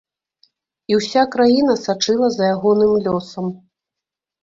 І ўся краіна сачыла за ягоным лёсам.